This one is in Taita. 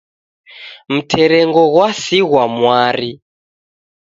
Mterengo ghwasighwa mwari